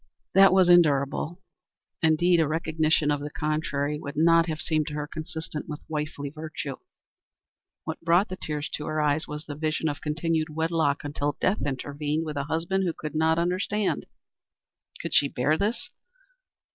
That was endurable. Indeed, a recognition of the contrary would not have seemed to her consistent with wifely virtue. What brought the tears to her eyes was the vision of continued wedlock, until death intervened, with a husband who could not understand. Could she bear this?